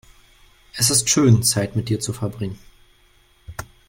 Es ist schön, Zeit mit dir zu verbringen.